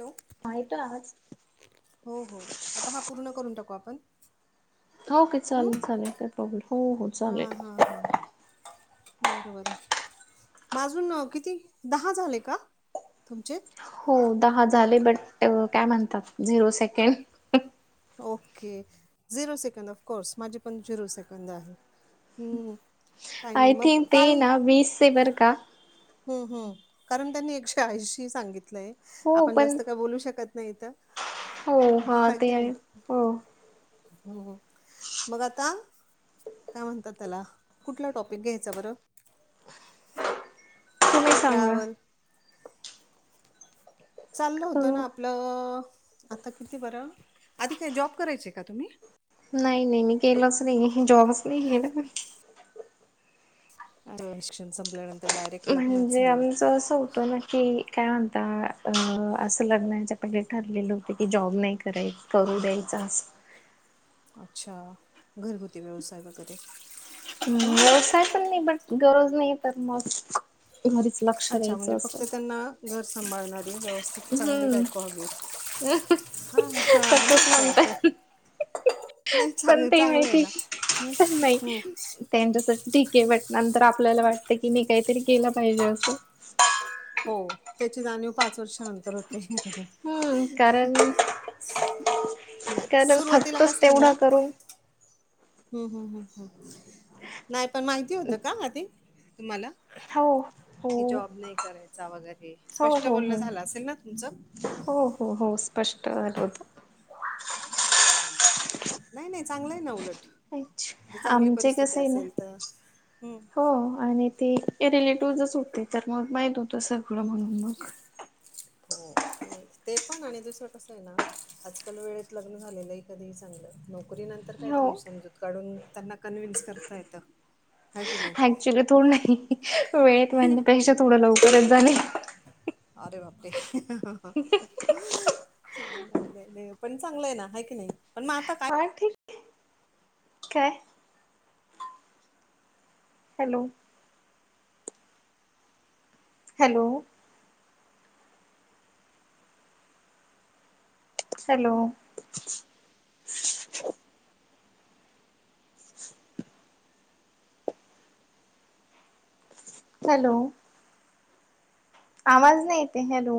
Hello माहित आज. हो हो आता हा पूर्ण करून टाकू आपण. ओके हं चालेल चालेल काय प्रॉब्लेम हो हो हा चालेल. हा हा बरं बरं. माजून किती दहा झाले का तुमचे. हो दहा झाले बट काय म्हणतात zero second. Okay zero second of course माझे पण झिरो सेकंद आहे ह्. ऐ थंक ना बीसे वरग. हम हम् कारण त्यांनी एकशे ऐंशी सांगितलंय. हो आपण पण जास्त काय बोलू शकत नाही हो हा तर ते की आहे नाही. हो हम्म मग आता. काय म्हणतात त्याला कुठला टॉपिक घ्यायचा बरं. तुम्ही सांगा ट्रॅव्हल. चाललं अ होतं ना आपलं आता किती बरं आधी काय जॉब करायचे का तुम्ही. नाही नाही मी केलच नाही जॉबच नाही गेलं म अ शिक्षण संपल्यानंतर. डायरेक्ट लग्नच म्हणजे झालं आमचं वाटतं असं होतं ना की. काय म्हणता अ असं लग्नाच्या पहिली ठरलेले होते की जॉब नाही कराय करू द्यायचं असं. अच्छा घरगुती व्यवसाय वगैरे. हम् हं व्यवसाय पण नाही बट गरज नाही तर मस्. अच्छा म्हणजे फक्त त्यांना घर सांभाळणारी व्यवस्थित चांगली हम्म बायको हावी. हा हा आम तसच कायेतर. म्हणतात नाही पण चांग ते चांगलं आहे माहिती ना नाही. हम्. त्यांच्यासाठी ठीक आहे बट नंतर आपल्याला वाटत की नाहीी काहीतरी केलं पाहिजे असं. हो त्याची जाणीव पाच वर्ष. ंतर होते. हम्म कारण नाही कारण सुरुवातीला फक्तच कसं आहे तेवढा ना. करून हम् हम् हम् हम् नाही पण माहिती होतं का आ ते तुम्हाला. हो. कि हो. जॉब नाही करायचा वगैरे हो स्पष्ट हो बोलणं हो झालं असेल ना तुमचं. हो हो हो स्पष्ट झाल होत. ह नाही नाही चांगलंय ना उलट. अच्छ जर चांगली आमच कस परिस्थिती आहे ना असेल तर हं. हो आणि ते. हे रिलेटिव्हजच होते तर मग माहित होत सगळं म्हणून मग. हो नाही ते पण आणि दुसरं कसं आहे ना आजकाल वेळेत लग्न झालेलं आहे. ीग नोकरी नंतर काय थोडी हो समजूत काढून त्यांना कन्व्हन्स करता येत. ॅक्च्युली थोड नाही वेळेत म्हणण्यापेक्षा थोडं लवकरच जाले. अरे बापरे. पण चांगलंय ना की नाही पण मग आता काय. हां ठीक. ठी काय. हॅलो. हॅलो. हॅलो. हॅलो. आवाज नाही येत, हॅलो!